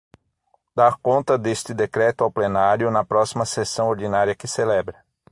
Dar conta deste decreto ao Plenário, na próxima sessão ordinária que celebra.